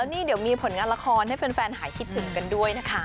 นี่เดี๋ยวมีผลงานละครให้แฟนหายคิดถึงกันด้วยนะคะ